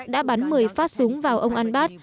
đã bắn một mươi phát súng vào ông al bad